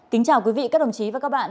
kính chào quý vị các đồng chí và các bạn